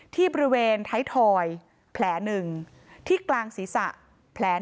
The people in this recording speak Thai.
ที่บริเวณท้ายทอยแผลหนึ่งที่กลางศีรษะแผล